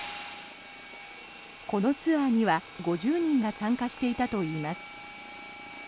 このツアーには５０人が参加していたといいます。